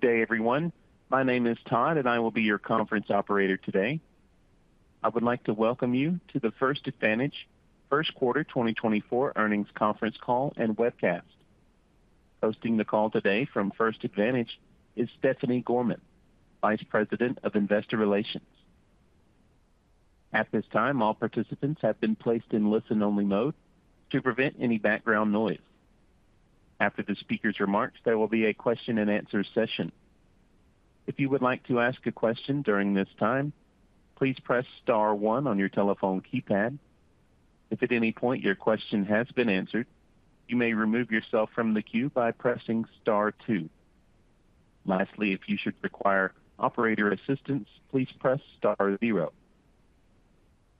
Good day, everyone. My name is Todd, and I will be your conference operator today. I would like to welcome you to the First Advantage first quarter 2024 earnings conference call and webcast. Hosting the call today from First Advantage is Stephanie Gorman, Vice President of Investor Relations. At this time, all participants have been placed in listen-only mode to prevent any background noise. After the speaker's remarks, there will be a question-and-answer session. If you would like to ask a question during this time, please press star one on your telephone keypad. If at any point your question has been answered, you may remove yourself from the queue by pressing star two. Lastly, if you should require operator assistance, please press star zero.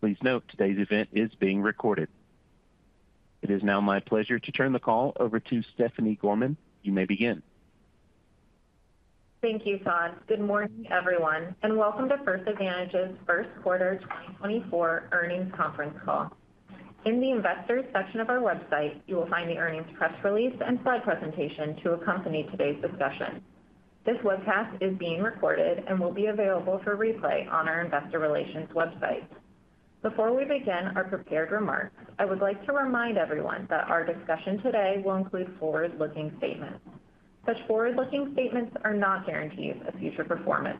Please note, today's event is being recorded. It is now my pleasure to turn the call over to Stephanie Gorman. You may begin. Thank you, Todd. Good morning, everyone, and welcome to First Advantage's first quarter 2024 earnings conference call. In the Investors section of our website, you will find the earnings press release and slide presentation to accompany today's discussion. This webcast is being recorded and will be available for replay on our investor relations website. Before we begin our prepared remarks, I would like to remind everyone that our discussion today will include forward-looking statements. Such forward-looking statements are not guarantees of future performance.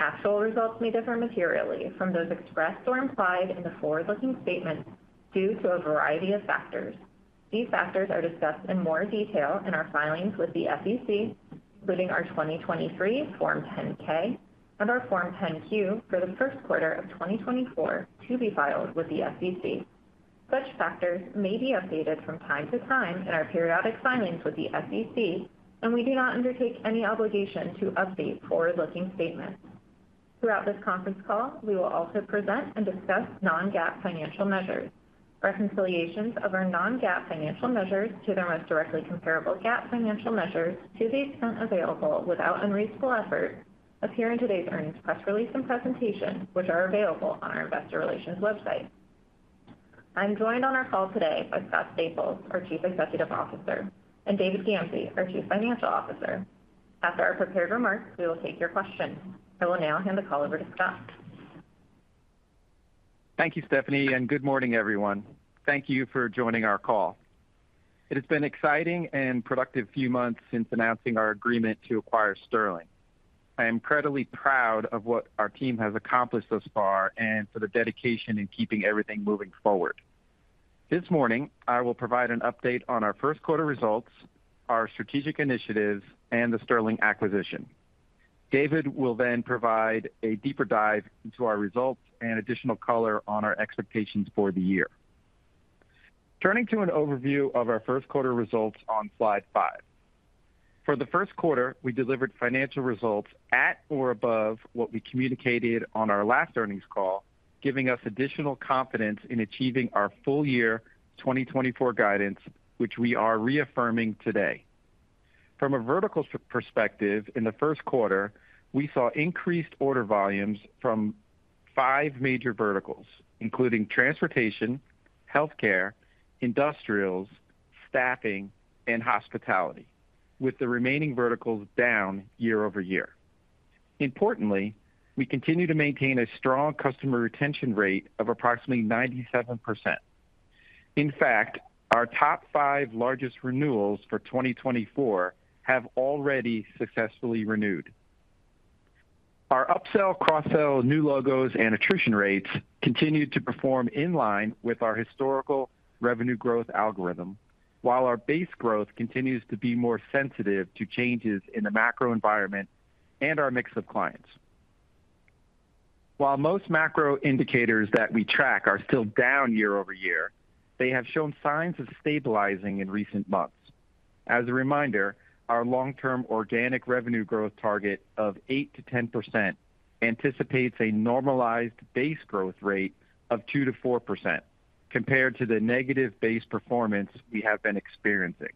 Actual results may differ materially from those expressed or implied in the forward-looking statements due to a variety of factors. These factors are discussed in more detail in our filings with the SEC, including our 2023 Form 10-K and our Form 10-Q for the first quarter of 2024, to be filed with the SEC. Such factors may be updated from time to time in our periodic filings with the SEC, and we do not undertake any obligation to update forward-looking statements. Throughout this conference call, we will also present and discuss non-GAAP financial measures. Reconciliations of our non-GAAP financial measures to their most directly comparable GAAP financial measures to the extent available without unreasonable effort, appear in today's earnings press release and presentation, which are available on our investor relations website. I'm joined on our call today by Scott Staples, our Chief Executive Officer, and David Gamsey, our Chief Financial Officer. After our prepared remarks, we will take your questions. I will now hand the call over to Scott. Thank you, Stephanie, and good morning, everyone. Thank you for joining our call. It has been an exciting and productive few months since announcing our agreement to acquire Sterling. I am incredibly proud of what our team has accomplished thus far and for the dedication in keeping everything moving forward. This morning, I will provide an update on our first quarter results, our strategic initiatives, and the Sterling acquisition. David will then provide a deeper dive into our results and additional color on our expectations for the year. Turning to an overview of our first quarter results on slide 5. For the first quarter, we delivered financial results at or above what we communicated on our last earnings call, giving us additional confidence in achieving our full-year 2024 guidance, which we are reaffirming today. From a vertical perspective, in the first quarter, we saw increased order volumes from five major verticals, including transportation, healthcare, industrials, staffing, and hospitality, with the remaining verticals down year-over-year. Importantly, we continue to maintain a strong customer retention rate of approximately 97%. In fact, our top five largest renewals for 2024 have already successfully renewed. Our upsell, cross-sell, new logos, and attrition rates continued to perform in line with our historical revenue growth algorithm, while our base growth continues to be more sensitive to changes in the macro environment and our mix of clients. While most macro indicators that we track are still down year-over-year, they have shown signs of stabilizing in recent months. As a reminder, our long-term organic revenue growth target of 8%-10% anticipates a normalized base growth rate of 2%-4% compared to the negative base performance we have been experiencing.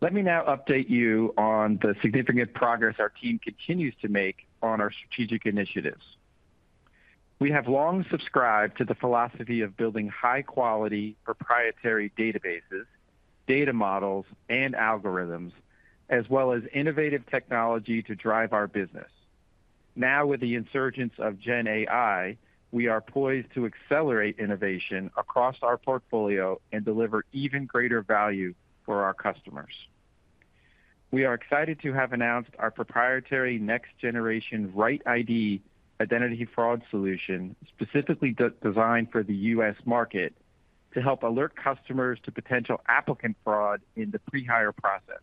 Let me now update you on the significant progress our team continues to make on our strategic initiatives. We have long subscribed to the philosophy of building high-quality, proprietary databases, data models, and algorithms, as well as innovative technology to drive our business. Now, with the insurgence of Gen AI, we are poised to accelerate innovation across our portfolio and deliver even greater value for our customers. We are excited to have announced our proprietary next-generation RightID identity fraud solution, specifically designed for the U.S. market, to help alert customers to potential applicant fraud in the pre-hire process.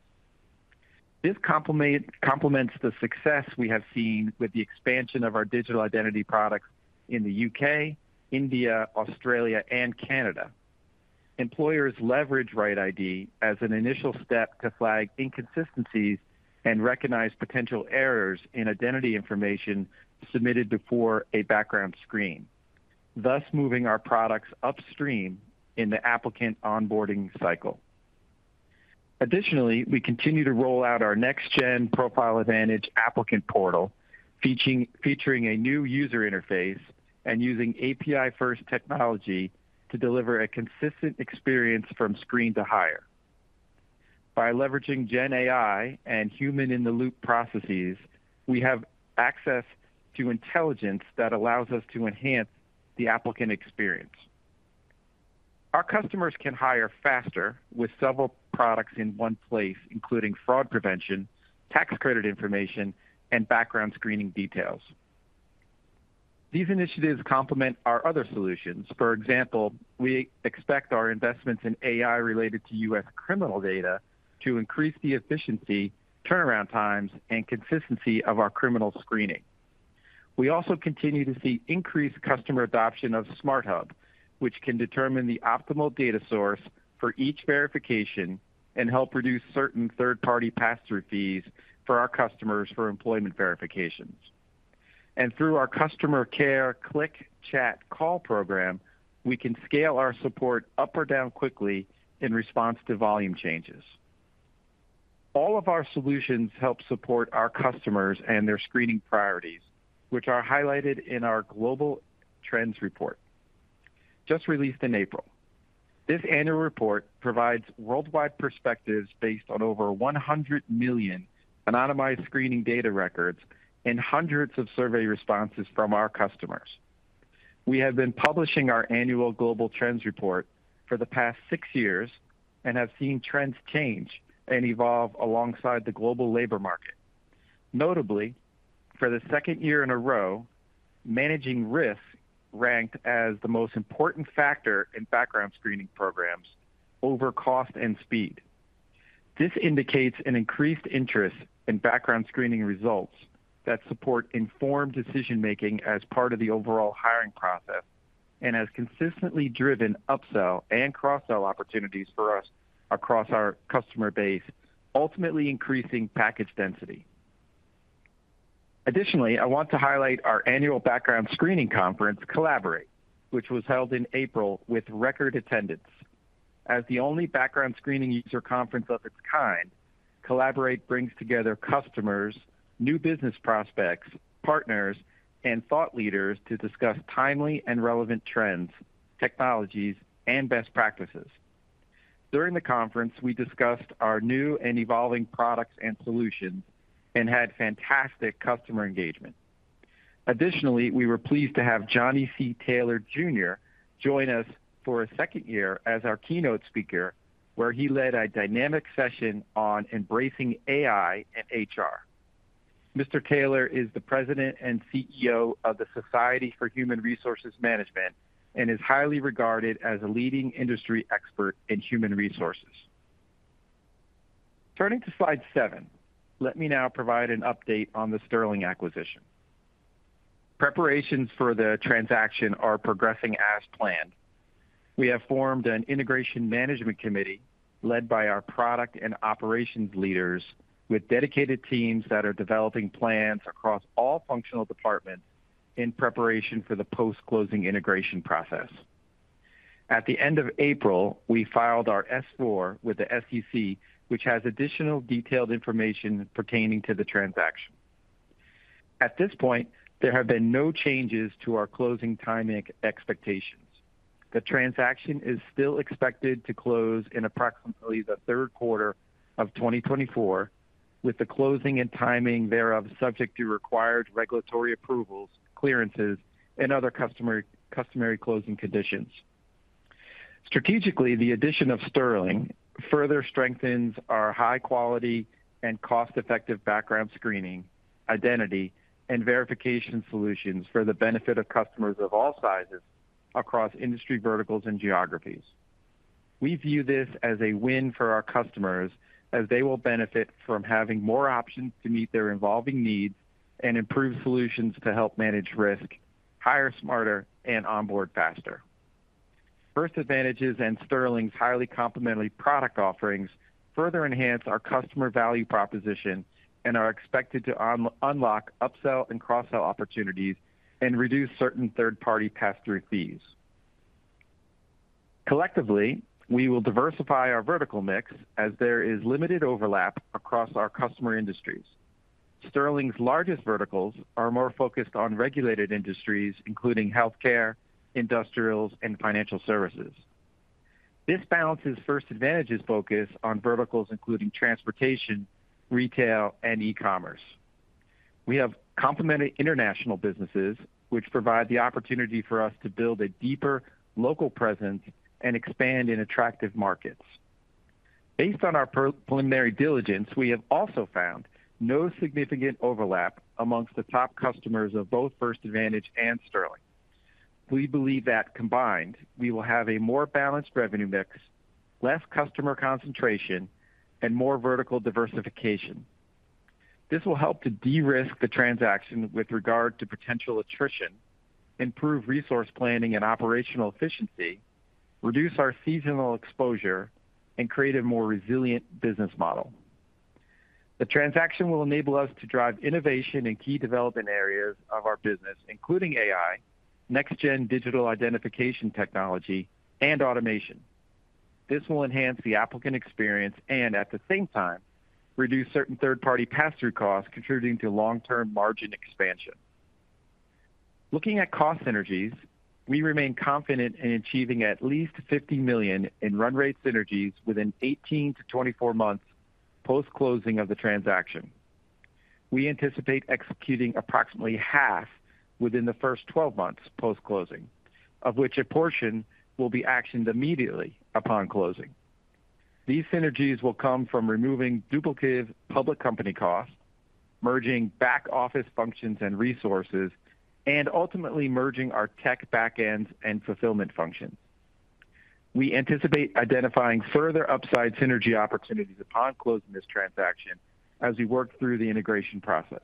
This complements the success we have seen with the expansion of our digital identity products in the UK, India, Australia, and Canada. Employers leverage RightID as an initial step to flag inconsistencies and recognize potential errors in identity information submitted before a background screen, thus moving our products upstream in the applicant onboarding cycle. Additionally, we continue to roll out our next-gen Profile Advantage applicant portal, featuring a new user interface and using API-first technology to deliver a consistent experience from screen to hire... By leveraging Gen AI and human-in-the-loop processes, we have access to intelligence that allows us to enhance the applicant experience. Our customers can hire faster with several products in one place, including fraud prevention, tax credit information, and background screening details. These initiatives complement our other solutions. For example, we expect our investments in AI related to U.S. criminal data to increase the efficiency, turnaround times, and consistency of our criminal screening. We also continue to see increased customer adoption of SmartHub, which can determine the optimal data source for each verification and help reduce certain third-party pass-through fees for our customers for employment verifications. Through our customer care click, chat, call program, we can scale our support up or down quickly in response to volume changes. All of our solutions help support our customers and their screening priorities, which are highlighted in our Global Trends Report, just released in April. This annual report provides worldwide perspectives based on over 100 million anonymized screening data records and hundreds of survey responses from our customers. We have been publishing our annual Global Trends Report for the past six years and have seen trends change and evolve alongside the global labor market. Notably, for the second year in a row, managing risk ranked as the most important factor in background screening programs over cost and speed. This indicates an increased interest in background screening results that support informed decision making as part of the overall hiring process, and has consistently driven upsell and cross-sell opportunities for us across our customer base, ultimately increasing package density. Additionally, I want to highlight our annual background screening conference, Collaborate, which was held in April with record attendance. As the only background screening user conference of its kind, Collaborate brings together customers, new business prospects, partners, and thought leaders to discuss timely and relevant trends, technologies, and best practices. During the conference, we discussed our new and evolving products and solutions and had fantastic customer engagement. Additionally, we were pleased to have Johnny C. Taylor, Jr. join us for a second year as our keynote speaker, where he led a dynamic session on embracing AI and HR. Mr. Taylor is the president and CEO of the Society for Human Resource Management and is highly regarded as a leading industry expert in human resources. Turning to slide seven, let me now provide an update on the Sterling acquisition. Preparations for the transaction are progressing as planned. We have formed an integration management committee led by our product and operations leaders, with dedicated teams that are developing plans across all functional departments in preparation for the post-closing integration process. At the end of April, we filed our S-4 with the SEC, which has additional detailed information pertaining to the transaction. At this point, there have been no changes to our closing timing expectations. The transaction is still expected to close in approximately the third quarter of 2024, with the closing and timing thereof subject to required regulatory approvals, clearances, and other customary closing conditions. Strategically, the addition of Sterling further strengthens our high quality and cost-effective background screening, identity, and verification solutions for the benefit of customers of all sizes across industry verticals and geographies. We view this as a win for our customers, as they will benefit from having more options to meet their evolving needs and improve solutions to help manage risk, hire smarter, and onboard faster. First Advantage's and Sterling's highly complementary product offerings further enhance our customer value proposition and are expected to unlock upsell and cross-sell opportunities and reduce certain third-party pass-through fees. Collectively, we will diversify our vertical mix as there is limited overlap across our customer industries. Sterling's largest verticals are more focused on regulated industries, including healthcare, industrials, and financial services. This balances First Advantage's focus on verticals including transportation, retail, and e-commerce. We have complemented international businesses, which provide the opportunity for us to build a deeper local presence and expand in attractive markets. Based on our preliminary diligence, we have also found no significant overlap among the top customers of both First Advantage and Sterling. We believe that combined, we will have a more balanced revenue mix, less customer concentration, and more vertical diversification. This will help to de-risk the transaction with regard to potential attrition, improve resource planning and operational efficiency, reduce our seasonal exposure, and create a more resilient business model. The transaction will enable us to drive innovation in key development areas of our business, including AI, next-gen digital identification technology, and automation. This will enhance the applicant experience and at the same time, reduce certain third-party pass-through costs, contributing to long-term margin expansion. Looking at cost synergies, we remain confident in achieving at least $50 million in run rate synergies within 18-24 months post-closing of the transaction. We anticipate executing approximately half within the first 12 months post-closing, of which a portion will be actioned immediately upon closing. These synergies will come from removing duplicated public company costs, merging back-office functions and resources, and ultimately merging our tech back-ends and fulfillment functions. We anticipate identifying further upside synergy opportunities upon closing this transaction as we work through the integration process.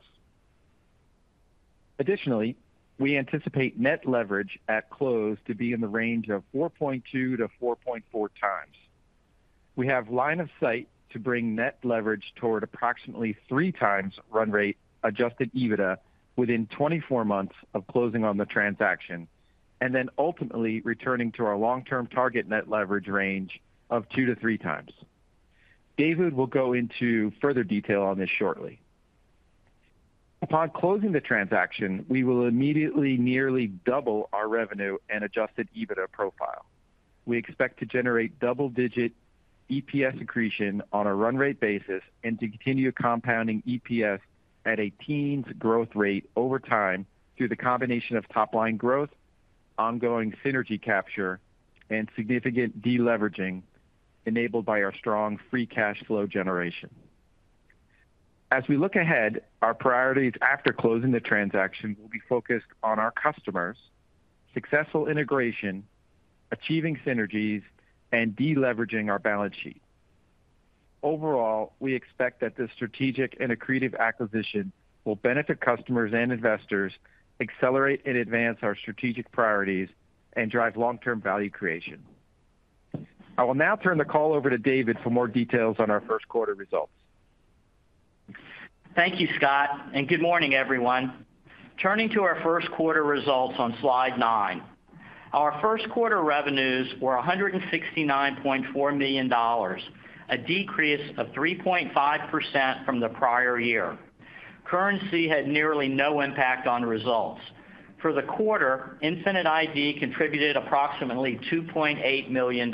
Additionally, we anticipate net leverage at close to be in the range of 4.2-4.4 times. We have line of sight to bring net leverage toward approximately three times run-rate Adjusted EBITDA within 24 months of closing on the transaction, and then ultimately returning to our long-term target net leverage range of two to three times. David will go into further detail on this shortly. Upon closing the transaction, we will immediately nearly double our revenue and Adjusted EBITDA profile. We expect to generate double-digit EPS accretion on a run-rate basis and to continue compounding EPS at a teens growth rate over time through the combination of top line growth, ongoing synergy capture, and significant deleveraging, enabled by our strong free cash flow generation. As we look ahead, our priorities after closing the transaction will be focused on our customers, successful integration, achieving synergies, and deleveraging our balance sheet. Overall, we expect that this strategic and accretive acquisition will benefit customers and investors, accelerate and advance our strategic priorities, and drive long-term value creation. I will now turn the call over to David for more details on our first quarter results. Thank you, Scott, and good morning, everyone. Turning to our first quarter results on slide 9. Our first quarter revenues were $169.4 million, a decrease of 3.5% from the prior year. Currency had nearly no impact on results. For the quarter, Infinite ID contributed approximately $2.8 million.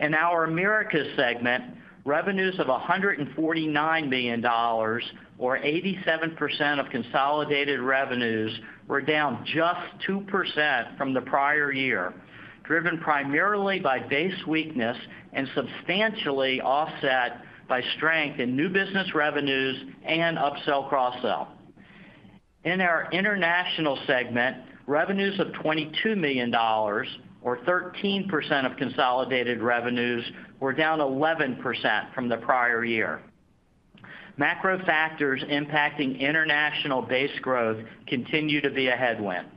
In our Americas segment, revenues of $149 million, or 87% of consolidated revenues, were down just 2% from the prior year, driven primarily by base weakness and substantially offset by strength in new business revenues and upsell/cross-sell. In our international segment, revenues of $22 million, or 13% of consolidated revenues, were down 11% from the prior year. Macro factors impacting international base growth continue to be a headwind.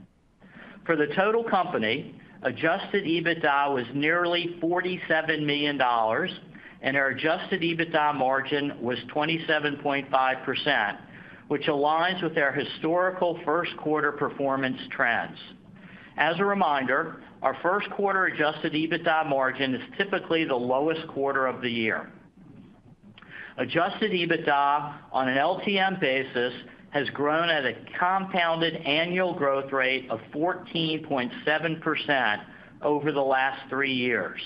For the total company, adjusted EBITDA was nearly $47 million, and our adjusted EBITDA margin was 27.5%, which aligns with our historical first quarter performance trends. As a reminder, our first quarter adjusted EBITDA margin is typically the lowest quarter of the year. Adjusted EBITDA on an LTM basis has grown at a compounded annual growth rate of 14.7% over the last three years.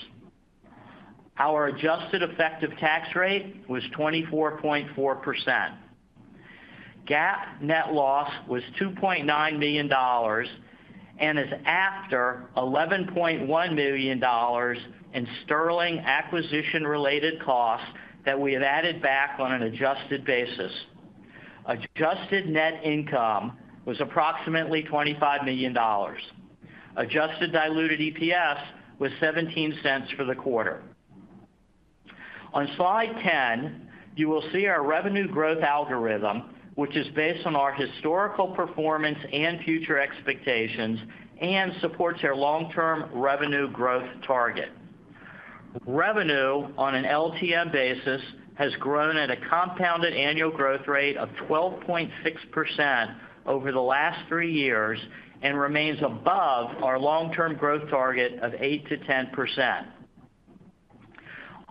Our adjusted effective tax rate was 24.4%. GAAP net loss was $2.9 million and is after $11.1 million in Sterling acquisition-related costs that we have added back on an adjusted basis. Adjusted net income was approximately $25 million. Adjusted diluted EPS was $0.17 for the quarter. On slide ten, you will see our revenue growth algorithm, which is based on our historical performance and future expectations and supports our long-term revenue growth target. Revenue on an LTM basis has grown at a compounded annual growth rate of 12.6% over the last three years and remains above our long-term growth target of 8%-10%.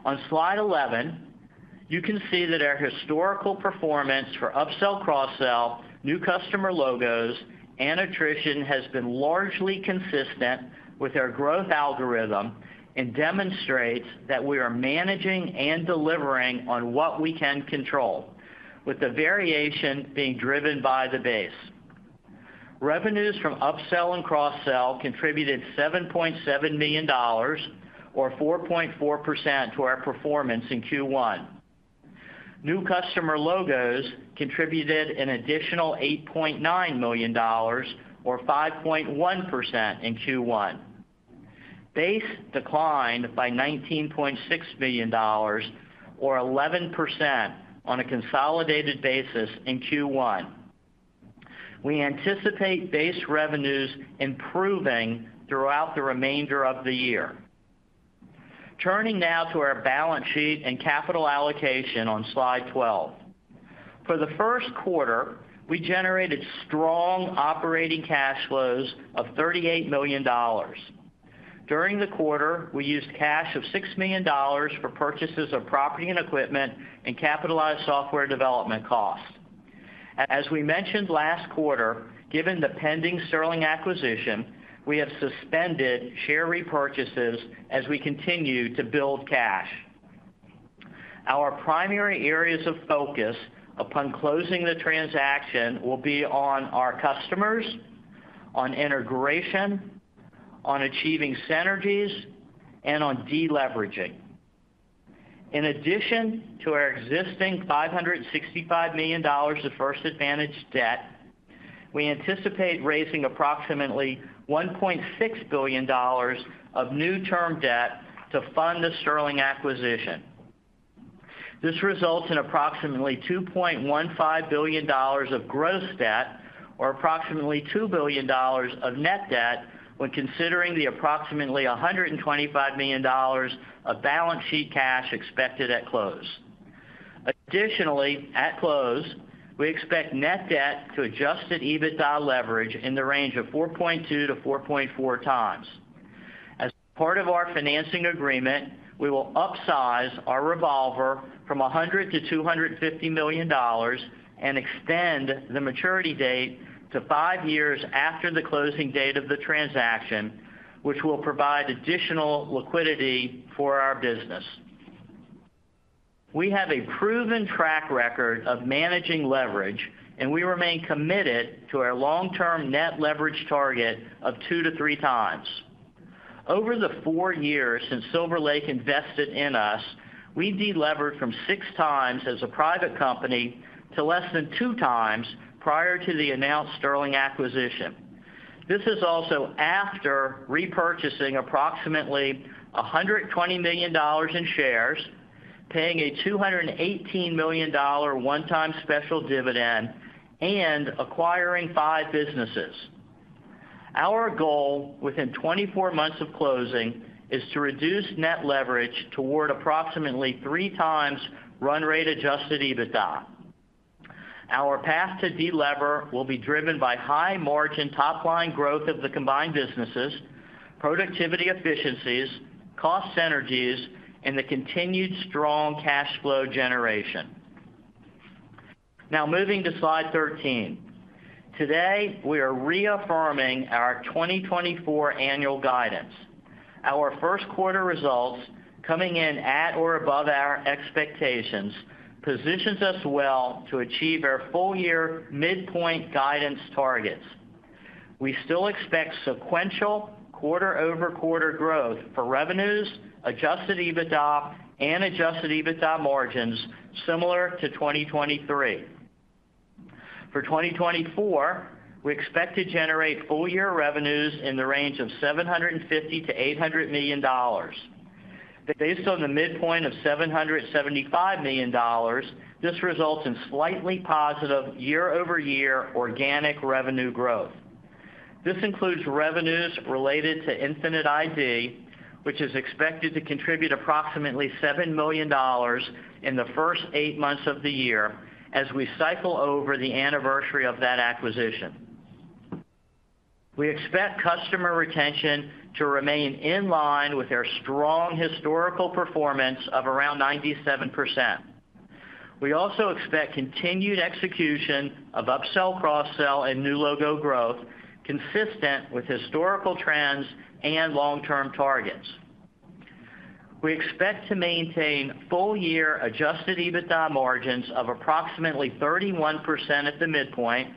On slide eleven, you can see that our historical performance for upsell/cross-sell, new customer logos, and attrition has been largely consistent with our growth algorithm and demonstrates that we are managing and delivering on what we can control, with the variation being driven by the base. Revenues from upsell and cross-sell contributed $7.7 million, or 4.4%, to our performance in Q1. New customer logos contributed an additional $8.9 million, or 5.1%, in Q1. Base declined by $19.6 million, or 11%, on a consolidated basis in Q1. We anticipate base revenues improving throughout the remainder of the year. Turning now to our balance sheet and capital allocation on slide 12. For the first quarter, we generated strong operating cash flows of $38 million. During the quarter, we used cash of $6 million for purchases of property and equipment and capitalized software development costs. As we mentioned last quarter, given the pending Sterling acquisition, we have suspended share repurchases as we continue to build cash. Our primary areas of focus upon closing the transaction will be on our customers, on integration, on achieving synergies, and on deleveraging. In addition to our existing $565 million of First Advantage debt, we anticipate raising approximately $1.6 billion of new term debt to fund the Sterling acquisition. This results in approximately $2.15 billion of gross debt, or approximately $2 billion of net debt, when considering the approximately $125 million of balance sheet cash expected at close. Additionally, at close, we expect net debt to Adjusted EBITDA leverage in the range of 4.2-4.4 times. As part of our financing agreement, we will upsize our revolver from $100 million to $250 million and extend the maturity date to five years after the closing date of the transaction, which will provide additional liquidity for our business. We have a proven track record of managing leverage, and we remain committed to our long-term net leverage target of two to three times. Over the four years since Silver Lake invested in us, we've delevered from six times as a private company to less than two times prior to the announced Sterling acquisition. This is also after repurchasing approximately $120 million in shares, paying a $218 million one-time special dividend, and acquiring five businesses. Our goal, within 24 months of closing, is to reduce net leverage toward approximately three times run rate Adjusted EBITDA. Our path to delever will be driven by high margin top line growth of the combined businesses, productivity efficiencies, cost synergies, and the continued strong cash flow generation. Now moving to slide 13. Today, we are reaffirming our 2024 annual guidance. Our first quarter results, coming in at or above our expectations, positions us well to achieve our full year midpoint guidance targets. We still expect sequential quarter-over-quarter growth for revenues, adjusted EBITDA, and adjusted EBITDA margins similar to 2023. For 2024, we expect to generate full year revenues in the range of $750 million-$800 million. Based on the midpoint of $775 million, this results in slightly positive year-over-year organic revenue growth. This includes revenues related to Infinite ID, which is expected to contribute approximately $7 million in the first eight months of the year as we cycle over the anniversary of that acquisition. We expect customer retention to remain in line with our strong historical performance of around 97%. We also expect continued execution of upsell, cross-sell, and new logo growth consistent with historical trends and long-term targets. We expect to maintain full-year adjusted EBITDA margins of approximately 31% at the midpoint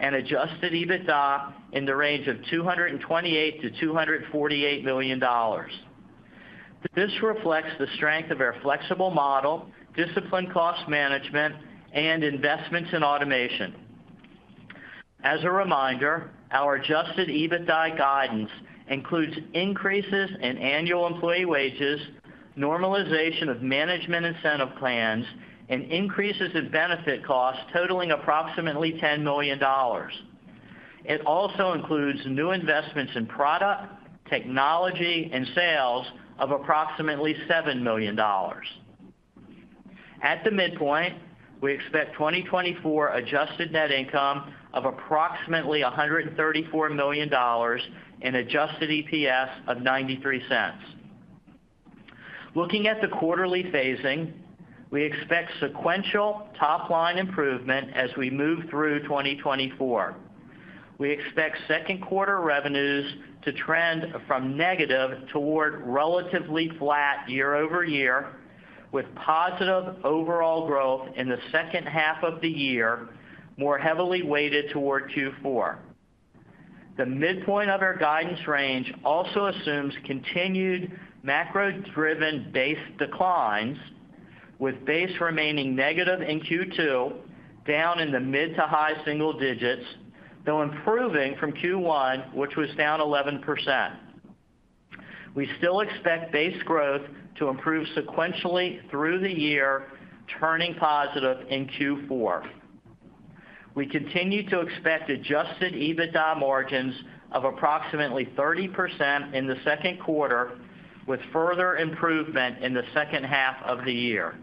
and adjusted EBITDA in the range of $228 million-$248 million. This reflects the strength of our flexible model, disciplined cost management, and investments in automation. As a reminder, our adjusted EBITDA guidance includes increases in annual employee wages, normalization of management incentive plans, and increases in benefit costs totaling approximately $10 million. It also includes new investments in product, technology, and sales of approximately $7 million. At the midpoint, we expect 2024 adjusted net income of approximately $134 million and adjusted EPS of $0.93. Looking at the quarterly phasing, we expect sequential top-line improvement as we move through 2024. We expect second quarter revenues to trend from negative toward relatively flat year-over-year, with positive overall growth in the second half of the year, more heavily weighted toward Q4. The midpoint of our guidance range also assumes continued macro-driven base declines, with base remaining negative in Q2, down in the mid- to high-single digits, though improving from Q1, which was down 11%. We still expect base growth to improve sequentially through the year, turning positive in Q4. We continue to expect Adjusted EBITDA margins of approximately 30% in the second quarter, with further improvement in the second half of the year...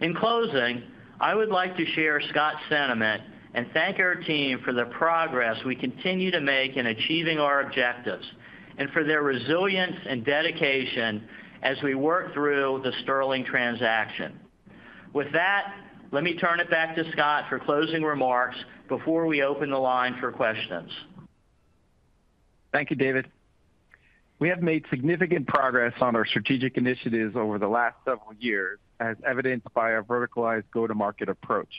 In closing, I would like to share Scott's sentiment and thank our team for the progress we continue to make in achieving our objectives, and for their resilience and dedication as we work through the Sterling transaction. With that, let me turn it back to Scott for closing remarks before we open the line for questions. Thank you, David. We have made significant progress on our strategic initiatives over the last several years, as evidenced by our verticalized go-to-market approach,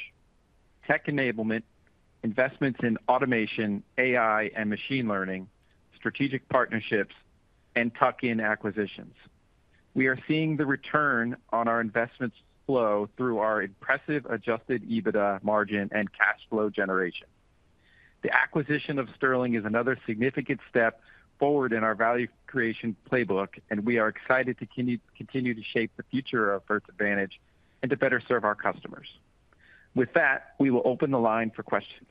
tech enablement, investments in automation, AI, and machine learning, strategic partnerships, and tuck-in acquisitions. We are seeing the return on our investments flow through our impressive adjusted EBITDA margin and cash flow generation. The acquisition of Sterling is another significant step forward in our value creation playbook, and we are excited to continue to shape the future of First Advantage and to better serve our customers. With that, we will open the line for questions.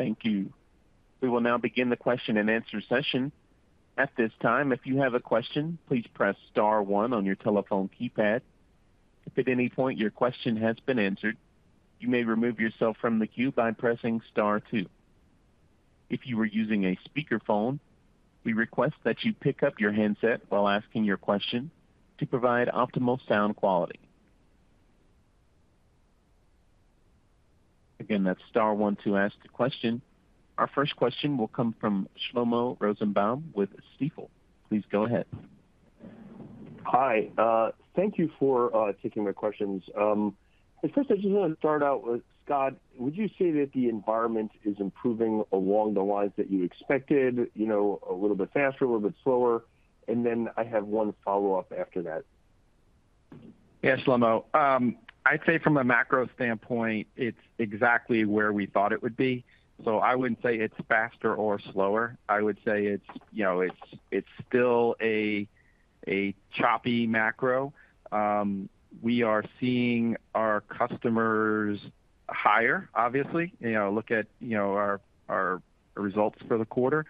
Thank you. We will now begin the question-and-answer session. At this time, if you have a question, please press star one on your telephone keypad. If at any point your question has been answered, you may remove yourself from the queue by pressing star two. If you are using a speakerphone, we request that you pick up your handset while asking your question to provide optimal sound quality. Again, that's star one to ask a question. Our first question will come from Shlomo Rosenbaum with Stifel. Please go ahead. Hi, thank you for taking my questions. But first, I just wanna start out with, Scott, would you say that the environment is improving along the lines that you expected, you know, a little bit faster, a little bit slower? And then I have one follow-up after that. Yeah, Shlomo. I'd say from a macro standpoint, it's exactly where we thought it would be. So I wouldn't say it's faster or slower. I would say it's, you know, it's, it's still a, a choppy macro. We are seeing our customers hire, obviously, you know, look at, you know, our, our results for the quarter.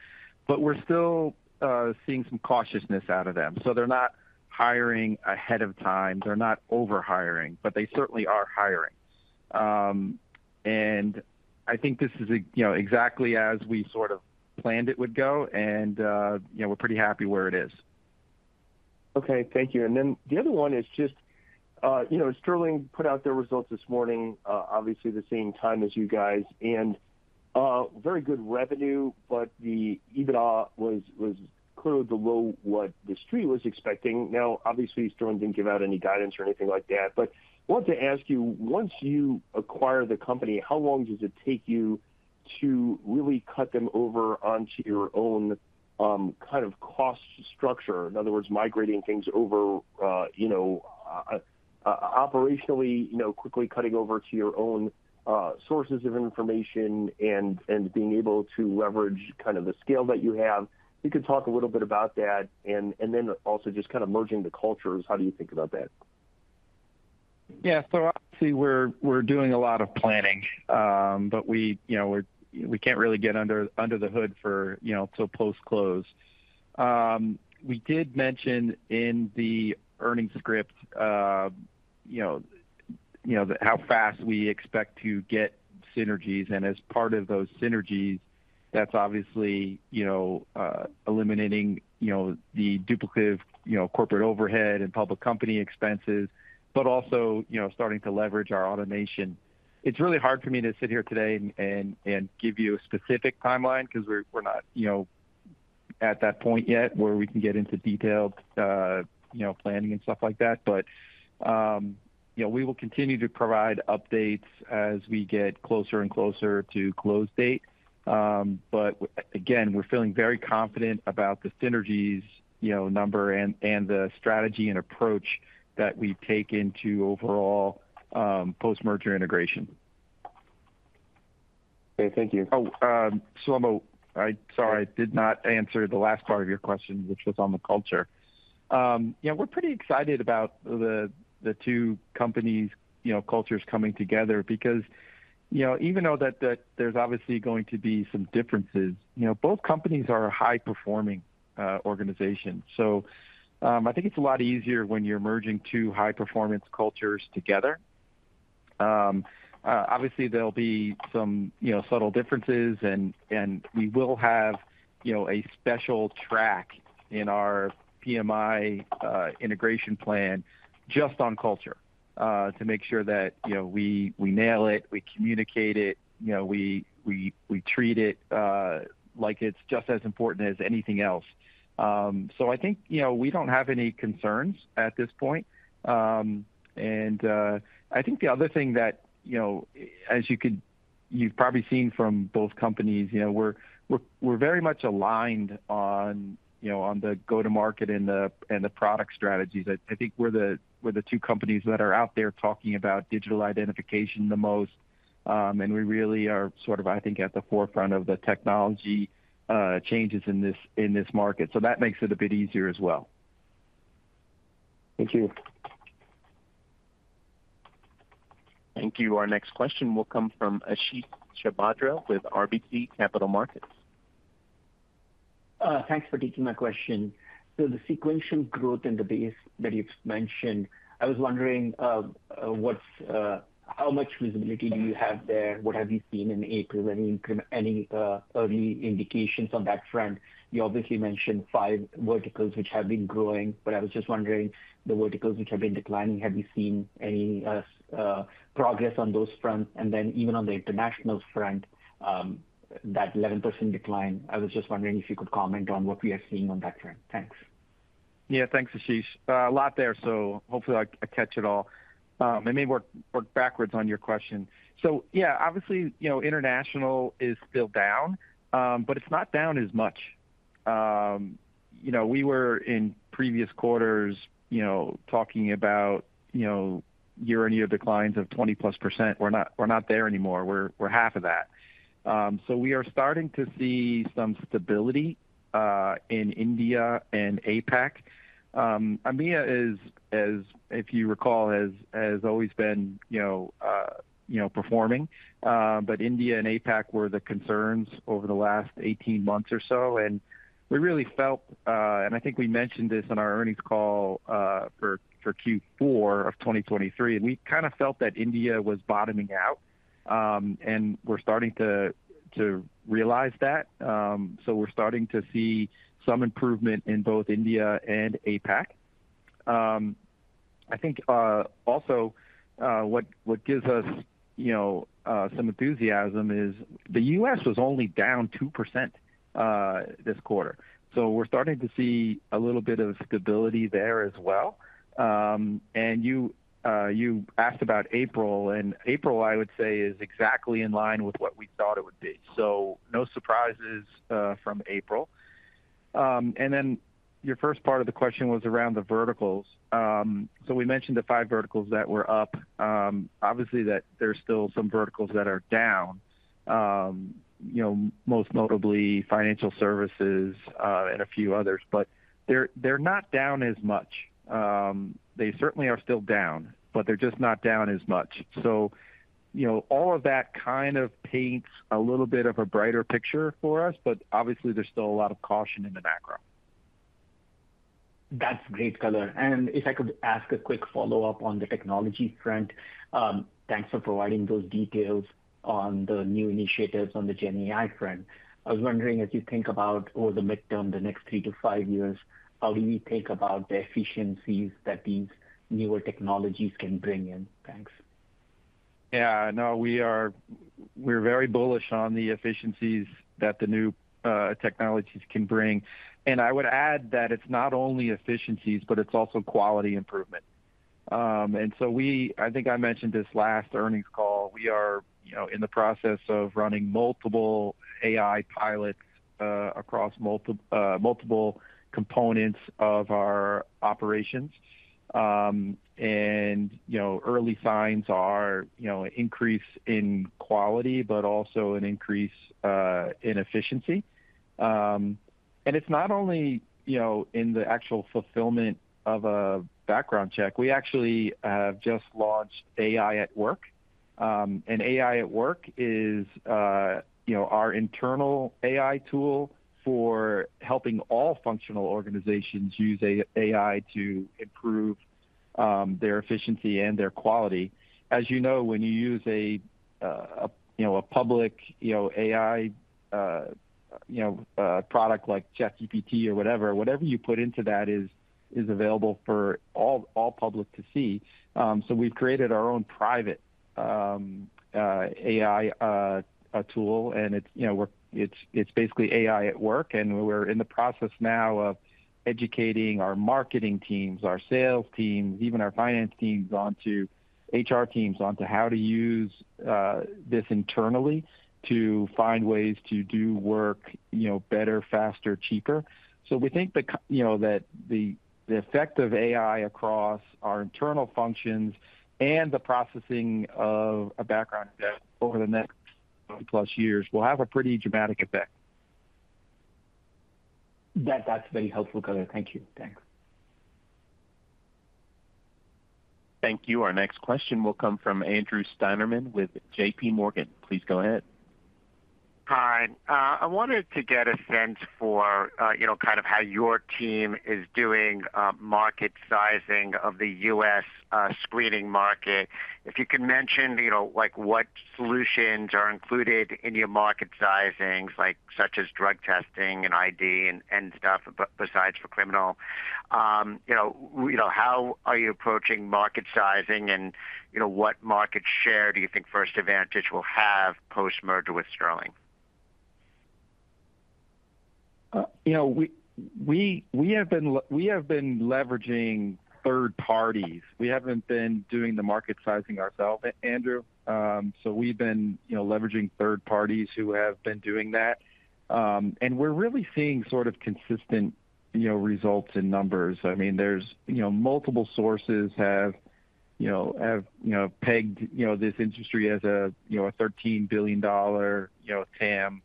But we're still seeing some cautiousness out of them, so they're not hiring ahead of time. They're not overhiring, but they certainly are hiring. And I think this is, you know, exactly as we sort of planned it would go, and, you know, we're pretty happy where it is. Okay. Thank you. And then the other one is just, you know, Sterling put out their results this morning, obviously the same time as you guys, and very good revenue, but the EBITDA was clearly below what the street was expecting. Now, obviously, Sterling didn't give out any guidance or anything like that, but I wanted to ask you, once you acquire the company, how long does it take you to really cut them over onto your own kind of cost structure? In other words, migrating things over, you know, operationally, you know, quickly cutting over to your own sources of information and being able to leverage kind of the scale that you have. If you could talk a little bit about that and then also just kind of merging the cultures, how do you think about that? Yeah. So obviously, we're doing a lot of planning, but we, you know, we're. We can't really get under the hood, you know, till post-close. We did mention in the earnings script, you know, how fast we expect to get synergies. And as part of those synergies, that's obviously, you know, eliminating the duplicative corporate overhead and public company expenses, but also, you know, starting to leverage our automation. It's really hard for me to sit here today and give you a specific timeline because we're not, you know, at that point yet where we can get into detailed planning and stuff like that. But, you know, we will continue to provide updates as we get closer and closer to close date. But again, we're feeling very confident about the synergies, you know, number and the strategy and approach that we take into overall, post-merger integration. Okay. Thank you. Oh, Shlomo, sorry, I did not answer the last part of your question, which was on the culture. Yeah, we're pretty excited about the two companies', you know, cultures coming together because, you know, even though there's obviously going to be some differences, you know, both companies are a high-performing organization. So, I think it's a lot easier when you're merging two high-performance cultures together. Obviously, there'll be some, you know, subtle differences, and we will have, you know, a special track in our PMI integration plan just on culture to make sure that, you know, we nail it, we communicate it, you know, we treat it like it's just as important as anything else. So I think, you know, we don't have any concerns at this point. And, I think the other thing that, you know, you've probably seen from both companies, you know, we're very much aligned on, you know, on the go-to-market and the product strategies. I think we're the two companies that are out there talking about digital identification the most. And we really are sort of, I think, at the forefront of the technology changes in this market, so that makes it a bit easier as well. Thank you.... Thank you. Our next question will come from Ashish Sabadra with RBC Capital Markets. Thanks for taking my question. So the sequential growth in the base that you've mentioned, I was wondering, what's how much visibility do you have there? What have you seen in April? Any early indications on that front? You obviously mentioned five verticals which have been growing, but I was just wondering, the verticals which have been declining, have you seen any progress on those fronts? And then even on the international front, that 11% decline, I was just wondering if you could comment on what we are seeing on that front. Thanks. Yeah, thanks, Ashish. A lot there, so hopefully I catch it all. Let me work backwards on your question. So yeah, obviously, you know, international is still down, but it's not down as much. You know, we were in previous quarters, you know, talking about, you know, year-on-year declines of 20% plus. We're not, we're not there anymore. We're, we're half of that. So we are starting to see some stability in India and APAC. EMEA is, as if you recall, has always been, you know, performing. But India and APAC were the concerns over the last 18 months or so, and we really felt, and I think we mentioned this on our earnings call for Q4 of 2023, and we kinda felt that India was bottoming out. And we're starting to realize that. So we're starting to see some improvement in both India and APAC. I think also what gives us, you know, some enthusiasm is the U.S. was only down 2% this quarter. So we're starting to see a little bit of stability there as well. And you asked about April, and April, I would say, is exactly in line with what we thought it would be. So no surprises from April. And then your first part of the question was around the verticals. So we mentioned the five verticals that were up. Obviously, that there's still some verticals that are down, you know, most notably financial services and a few others, but they're not down as much. They certainly are still down, but they're just not down as much. So, you know, all of that kind of paints a little bit of a brighter picture for us, but obviously, there's still a lot of caution in the background. That's great color. And if I could ask a quick follow-up on the technology front, thanks for providing those details on the new initiatives on the GenAI front. I was wondering, as you think about over the midterm, the next three to five years, how do we think about the efficiencies that these newer technologies can bring in? Thanks. Yeah, no, we are-- we're very bullish on the efficiencies that the new technologies can bring, and I would add that it's not only efficiencies, but it's also quality improvement. And so we... I think I mentioned this last earnings call, we are, you know, in the process of running multiple AI pilots across multiple components of our operations. And, you know, early signs are, you know, increase in quality, but also an increase in efficiency. And it's not only, you know, in the actual fulfillment of a background check. We actually have just launched AI at Work. And AI at Work is, you know, our internal AI tool for helping all functional organizations use AI to improve their efficiency and their quality. As you know, when you use a public AI product like ChatGPT or whatever, whatever you put into that is available for all public to see. So we've created our own private AI tool, and it's basically AI at Work, and we're in the process now of educating our marketing teams, our sales teams, even our finance teams, our HR teams, on how to use this internally to find ways to do work better, faster, cheaper. So we think that the effect of AI across our internal functions and the processing of a background check over the next plus years will have a pretty dramatic effect. That, that's very helpful, color. Thank you. Thanks. Thank you. Our next question will come from Andrew Steinerman with J.P. Morgan. Please go ahead. Hi. I wanted to get a sense for, you know, kind of how your team is doing market sizing of the U.S. screening market. If you could mention, you know, like, what solutions are included in your market sizings, like, such as drug testing and ID and stuff, besides for criminal. You know, how are you approaching market sizing, and, you know, what market share do you think First Advantage will have post-merger with Sterling? You know, we have been leveraging third parties. We haven't been doing the market sizing ourselves, Andrew. So we've been, you know, leveraging third parties who have been doing that. And we're really seeing sort of consistent, you know, results and numbers. I mean, there's, you know, multiple sources have, you know, have, you know, pegged, you know, this industry as a, you know, a $13 billion TAM.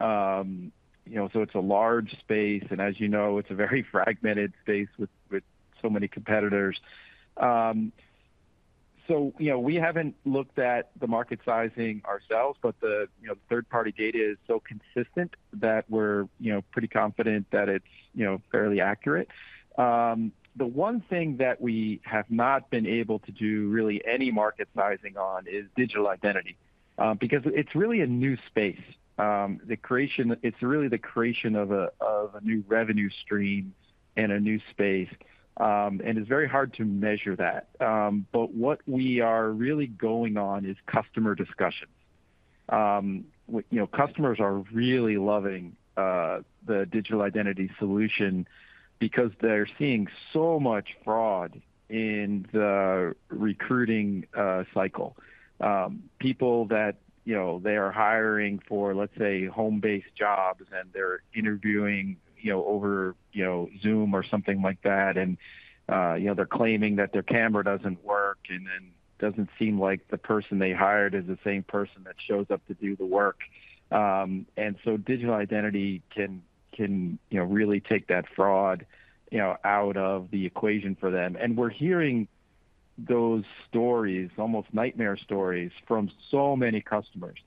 You know, so it's a large space, and as you know, it's a very fragmented space with so many competitors. So, you know, we haven't looked at the market sizing ourselves, but the, you know, third-party data is so consistent that we're, you know, pretty confident that it's, you know, fairly accurate. The one thing that we have not been able to do really any market sizing on is digital identity, because it's really a new space. It's really the creation of a new revenue stream and a new space, and it's very hard to measure that. But what we are really going on is customer discussions. You know, customers are really loving the digital identity solution because they're seeing so much fraud in the recruiting cycle. People that, you know, they are hiring for, let's say, home-based jobs, and they're interviewing, you know, over Zoom or something like that, and, you know, they're claiming that their camera doesn't work and then doesn't seem like the person they hired is the same person that shows up to do the work. And so digital identity can, you know, really take that fraud, you know, out of the equation for them. And we're hearing those stories, almost nightmare stories, from so many customers.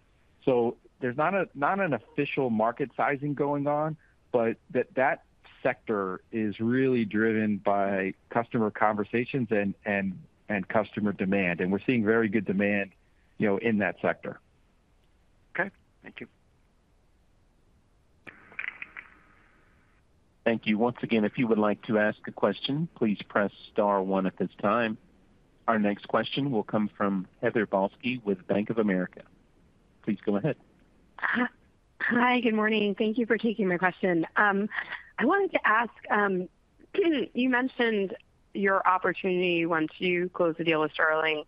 So there's not an official market sizing going on, but that sector is really driven by customer conversations and customer demand, and we're seeing very good demand, you know, in that sector. Okay, thank you. Thank you. Once again, if you would like to ask a question, please press star one at this time. Our next question will come from Heather Balsky with Bank of America. Please go ahead. Hi, good morning. Thank you for taking my question. I wanted to ask, you mentioned your opportunity once you close the deal with Sterling,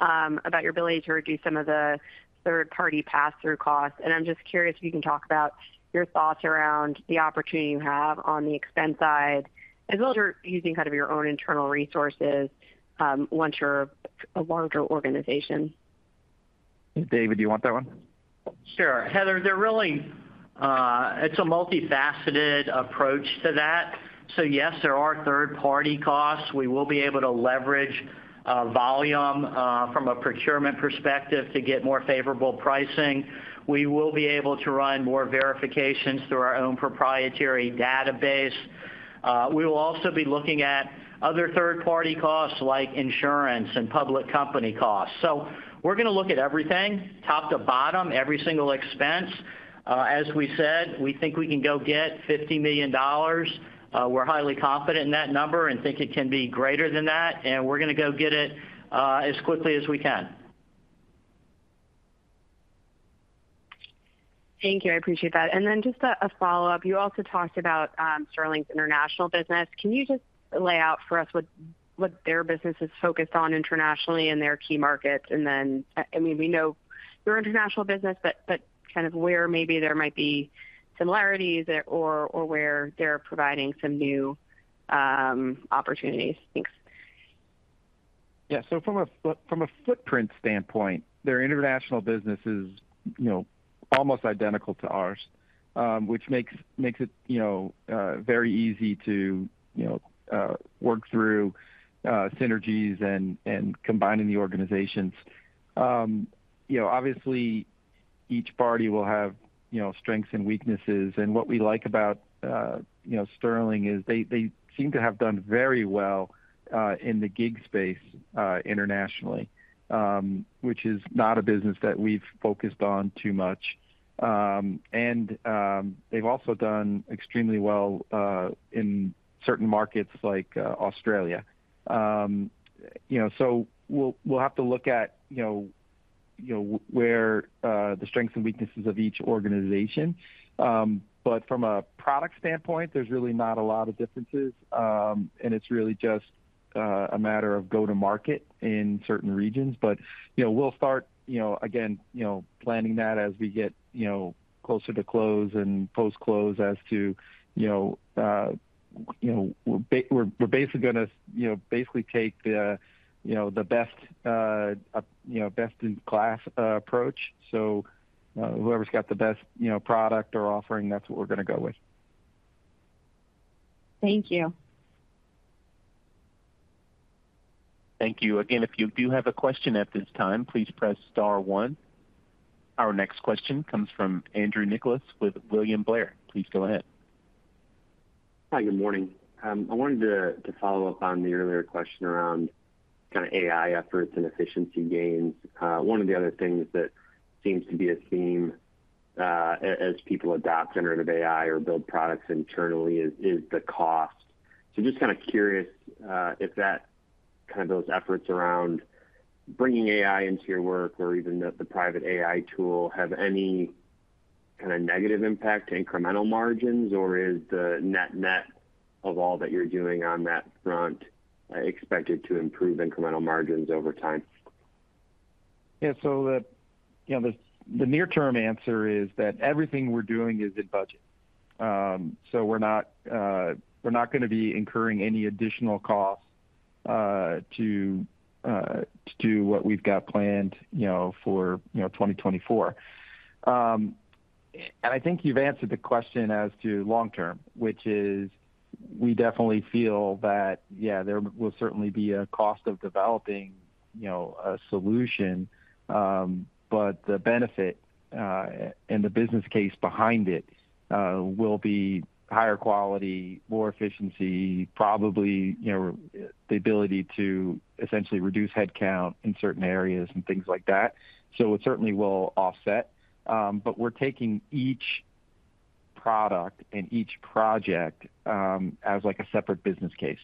about your ability to reduce some of the third-party pass-through costs. I'm just curious if you can talk about your thoughts around the opportunity you have on the expense side, as well as you're using kind of your own internal resources, once you're a larger organization. David, do you want that one? Sure. Heather, they're really... It's a multifaceted approach to that. So yes, there are third-party costs. We will be able to leverage, volume, from a procurement perspective to get more favorable pricing. We will be able to run more verifications through our own proprietary database. We will also be looking at other third-party costs like insurance and public company costs. So we're going to look at everything, top to bottom, every single expense. As we said, we think we can go get $50 million. We're highly confident in that number and think it can be greater than that, and we're going to go get it, as quickly as we can. Thank you. I appreciate that. And then just a follow-up. You also talked about Sterling's international business. Can you just lay out for us what their business is focused on internationally and their key markets? And then, I mean, we know your international business, but kind of where maybe there might be similarities or where they're providing some new opportunities. Thanks. Yeah. So from a footprint standpoint, their international business is, you know, almost identical to ours, which makes it, you know, very easy to, you know, work through synergies and combining the organizations. You know, obviously each party will have, you know, strengths and weaknesses. And what we like about, you know, Sterling is they seem to have done very well in the gig space internationally, which is not a business that we've focused on too much. And they've also done extremely well in certain markets like Australia. You know, so we'll have to look at, you know, where the strengths and weaknesses of each organization. But from a product standpoint, there's really not a lot of differences, and it's really just a matter of go-to-market in certain regions. But, you know, we'll start, you know, again, you know, planning that as we get, you know, closer to close and post-close as to, you know, we're basically gonna, you know, basically take the, you know, the best, you know, best-in-class approach. So, whoever's got the best, you know, product or offering, that's what we're going to go with. Thank you. Thank you. Again, if you do have a question at this time, please press star one. Our next question comes from Andrew Nicholas with William Blair. Please go ahead. Hi, good morning. I wanted to follow up on the earlier question around kind of AI efforts and efficiency gains. One of the other things that seems to be a theme, as people adopt generative AI or build products internally is the cost. So just kind of curious, if that, kind of those efforts around bringing AI into your work or even the private AI tool, have any kind of negative impact to incremental margins? Or is the net-net of all that you're doing on that front, expected to improve incremental margins over time? Yeah, so you know, the near-term answer is that everything we're doing is in budget. So we're not going to be incurring any additional costs to do what we've got planned, you know, for 2024. And I think you've answered the question as to long term, which is—we definitely feel that, yeah, there will certainly be a cost of developing, you know, a solution, but the benefit and the business case behind it will be higher quality, more efficiency, probably, you know, the ability to essentially reduce headcount in certain areas and things like that. So it certainly will offset. But we're taking each product and each project as like a separate business case.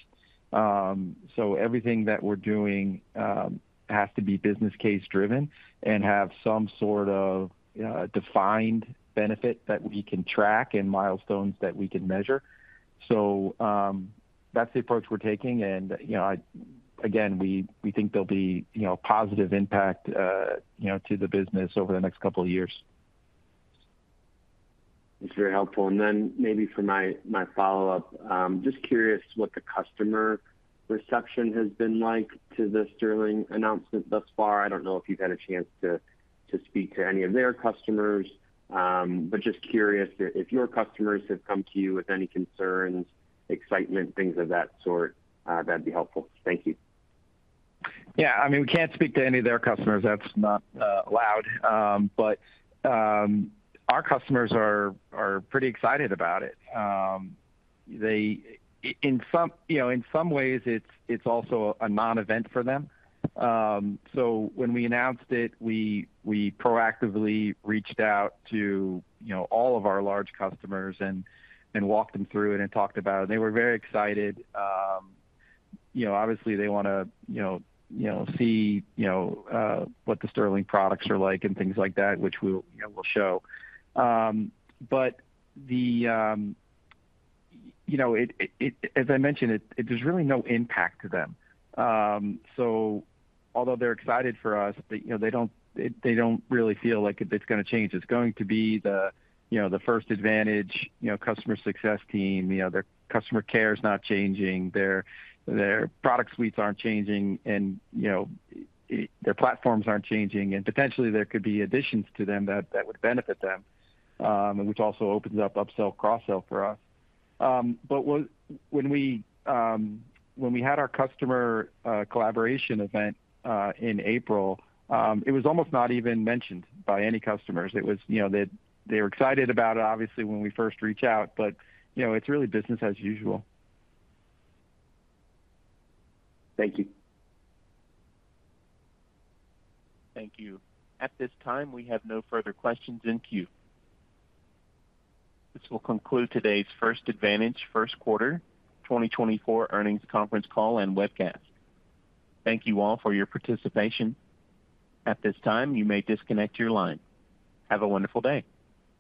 So everything that we're doing has to be business case driven and have some sort of defined benefit that we can track and milestones that we can measure. So that's the approach we're taking. And, you know, again, we think there'll be, you know, positive impact, you know, to the business over the next couple of years. It's very helpful. And then maybe for my follow-up, just curious what the customer reception has been like to the Sterling announcement thus far. I don't know if you've had a chance to speak to any of their customers, but just curious if your customers have come to you with any concerns, excitement, things of that sort, that'd be helpful. Thank you. Yeah, I mean, we can't speak to any of their customers. That's not allowed. But our customers are pretty excited about it. In some, you know, in some ways it's also a non-event for them. So when we announced it, we proactively reached out to, you know, all of our large customers and walked them through it and talked about it. They were very excited. You know, obviously they wanna, you know, you know, see, you know, what the Sterling products are like and things like that, which we, you know, we'll show. But you know, it, as I mentioned, there's really no impact to them. So although they're excited for us, they, you know, they don't really feel like it's gonna change. It's going to be the, you know, the First Advantage, you know, customer success team. You know, their customer care is not changing, their product suites aren't changing, and, you know, their platforms aren't changing, and potentially there could be additions to them that would benefit them, which also opens up upsell, cross-sell for us. But when we had our customer collaboration event in April, it was almost not even mentioned by any customers. It was, you know, they were excited about it, obviously, when we first reached out, but, you know, it's really business as usual. Thank you. Thank you. At this time, we have no further questions in queue. This will conclude today's First Advantage first quarter 2024 earnings conference call and webcast. Thank you all for your participation. At this time, you may disconnect your line. Have a wonderful day!